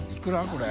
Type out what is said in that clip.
これ。